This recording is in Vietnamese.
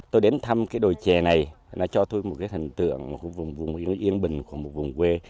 tôi đến thăm cái đồi chè này nó cho tôi một cái hình tượng của một vùng yên bình của một vùng quê